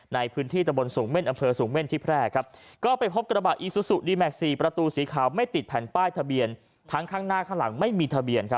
ดีแม็กซีประตูสีขาวไม่ติดแผ่นป้ายทะเบียนทั้งข้างหน้าข้างหลังไม่มีทะเบียนครับ